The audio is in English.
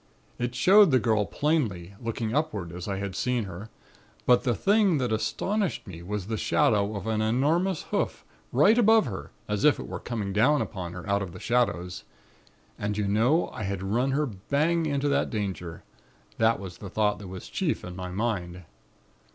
It showed the girl plainly, looking upward as I had seen her, but the thing that astonished me was the shadow of an enormous hoof, right above her, as if it were coming down upon her out of the shadows. And you know, I had run her bang into that danger. That was the thought that was chief in my mind.